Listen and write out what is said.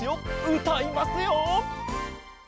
うたいますよ！